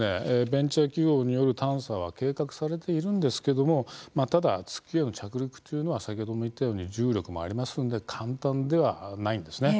ベンチャー企業による探査は計画されているんですけどもただ、月への着陸というのは先ほども言ったように重力もありますので簡単ではないんですね。